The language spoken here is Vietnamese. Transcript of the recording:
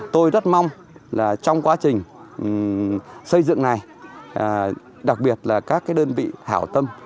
tôi rất mong là trong quá trình xây dựng này đặc biệt là các đơn vị hảo tâm